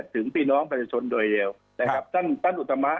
ถึงปีน้องประชาชนโดยเดียวแต่ครับตั้นอุตมะ